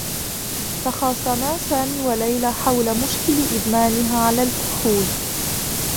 تخاصما سامي و ليلى حول مشكل إدمانها على الكحول.